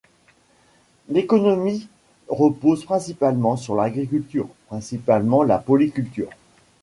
L'économie repose principalement sur l'agriculture, principalement la polyculture.